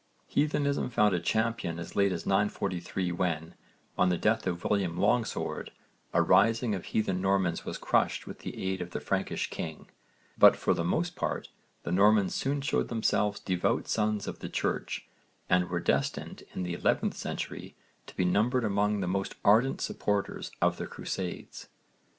Heathenism found a champion as late as 943 when, on the death of William Longsword, a rising of heathen Normans was crushed with the aid of the Frankish king, but for the most part the Normans soon showed themselves devout sons of the Church and were destined in the 11th century to be numbered among the most ardent supporters of the Crusades.